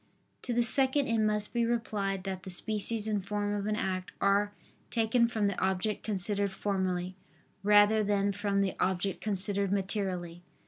To the second, it must be replied that the species and form of an act are taken from the object considered formally, rather than from the object considered materially.